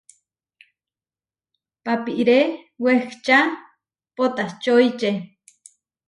Papiré wehčá poʼtačoiče.